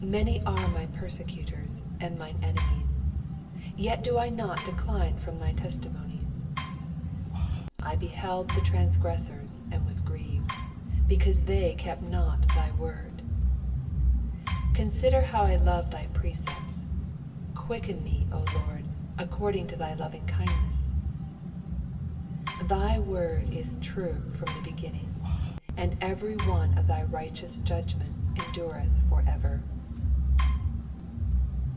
157 Many are my persecutors and mine enemies; yd do I not decline from thy testimonies. 1 58 I beheld the transgressors, and was grieved ; because they kept not thy word. 1 59 Consider how I love thy precepts : quicken me, LORD, according to thy lovingkindness. 160 Thy word is true from the beginning : and every one of thy righteous judgments endureih for ever.